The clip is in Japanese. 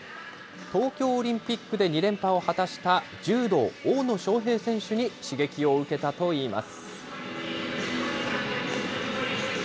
東京オリンピックで２連覇を果たした、柔道、大野将平選手に刺激を受けたといいます。